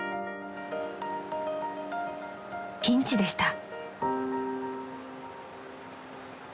［ピンチでした］